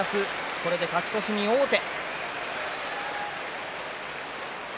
これで勝ち越しに王手。